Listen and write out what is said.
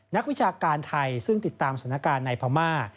นักวิชาการไทยซึ่งติดตามสถานการณ์ในพม่า